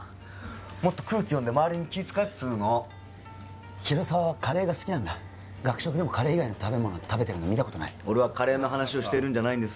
もっと空気読んで周りに気使えっつうの広沢はカレーが好きなんだ学食でもカレー以外の食べ物食べてるの見たことないカレーの話してるんじゃないんです